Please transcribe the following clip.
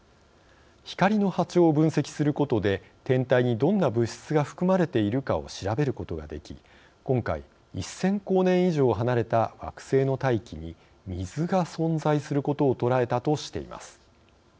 光の波長を分析することで天体にどんな物質が含まれているかを調べることができ今回、１千光年以上離れた惑星の大気に水が存在することを捉えたとしています。